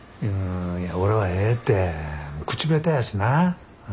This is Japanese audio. いや俺はええて口下手やしな。